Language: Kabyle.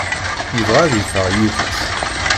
Yebɣa ad yeffeɣ yid-s.